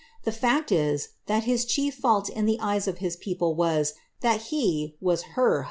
The fact is, that his chief fault in the eyes of his people was, that he ' Vie de Heine Henriette.